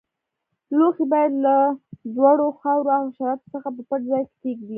لوښي باید له دوړو، خاورو او حشراتو څخه په پټ ځای کې کېږدئ.